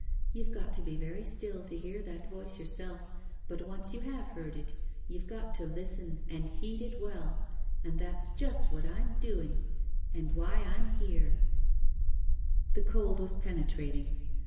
" You've got to be very still to hear that Voice yourself— but once you have heard it, you've got to listen and heed It well— and that's just what I'm doing and why I'm here '• The cold was penetrating.